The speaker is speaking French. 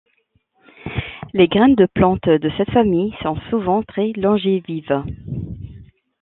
Les graines des plantes de cette famille sont souvent très longévives.